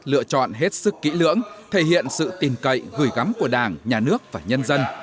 lựa chọn hết sức kỹ lưỡng thể hiện sự tình cậy gửi gắm của đảng nhà nước và nhân dân